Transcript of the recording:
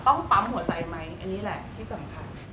ปั๊มหัวใจไหมอันนี้แหละที่สำคัญ